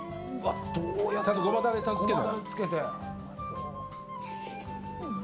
ごまだれつけて。